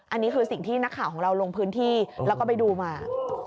อันนี้คือสิ่งที่นักข่าวของเราลงพื้นที่แล้วก็ไปดูมา